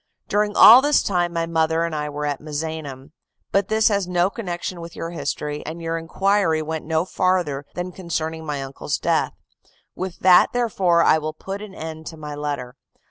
During all this time my mother and I were at Misenum. But this has no connection with your history, as your inquiry went no farther than concerning my uncle's death; with that, therefore, I will put an end to my letter.